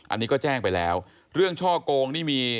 อันนี้ก็แจ้งไปแล้วเรื่องช่อกงนี่มี